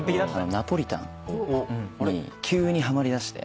ナポリタンに急にはまりだして。